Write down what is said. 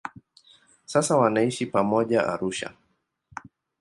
Sasa wanaishi pamoja Arusha.